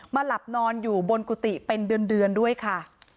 หลับนอนอยู่บนกุฏิเป็นเดือนด้วยค่ะ